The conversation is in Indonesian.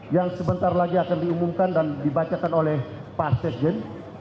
yang sebentar lagi akan diumumkan dan dibacakan oleh pak sekjen